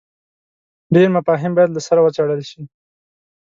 ډېر مفاهیم باید له سره وڅېړل شي.